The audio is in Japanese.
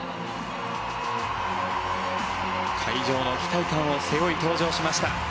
会場の期待感を背負い登場しました。